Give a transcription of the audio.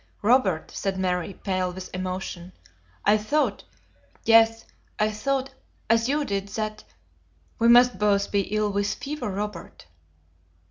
"Robert," said Mary, pale with emotion, "I thought yes, I thought as you did, that We must both be ill with fever, Robert."